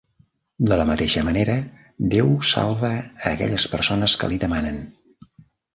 De la mateixa manera, Déu salva a aquelles persones que li demanen.